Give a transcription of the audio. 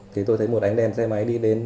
thì tôi thấy một ánh đèn xe máy đi đến